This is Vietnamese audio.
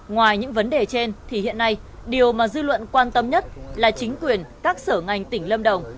ngoài những vấn đề trên thì hiện nay điều mà dư luận quan tâm nhất là chính quyền các sở ngành tỉnh lâm đồng